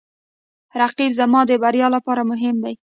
رقیب زما د بریا لپاره مهم دی